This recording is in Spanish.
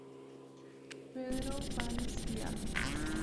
Pedro Blanes Viale"